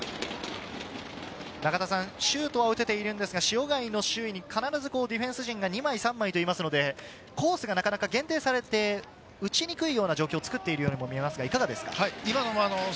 シュートは打てているんですが塩貝の周囲に必ずディフェンス陣が２枚、３枚といいますので、コースがなかなか限定されて、打ちにくいような状況を作っているようにも見えます。